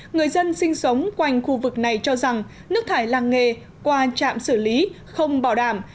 người dân sinh sống quanh khu vực này cho rằng nước thải làng nghề qua trạm xử lý không bảo đảm